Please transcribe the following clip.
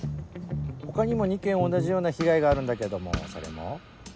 他にも２件同じような被害があるんだけどもそれも？